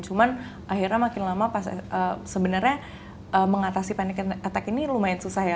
cuman akhirnya makin lama sebenarnya mengatasi panic attack ini lumayan susah ya